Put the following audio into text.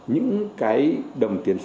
những cái đồng tiền tệ này